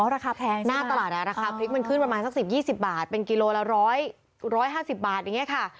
อ๋อราคาแพงใช่ไหมหน้าตลาดราคาพริกมันขึ้นประมาณสักสิบยี่สิบบาทเป็นกิโลละร้อยร้อยห้าสิบบาทอย่างเงี้ยค่ะ